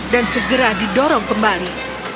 dan segera didorong kembali